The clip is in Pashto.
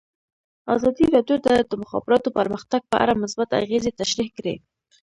ازادي راډیو د د مخابراتو پرمختګ په اړه مثبت اغېزې تشریح کړي.